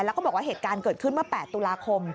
แล้วก็บอกว่าเหตุการณ์เกิดขึ้นเมื่อ๘ตุลาคม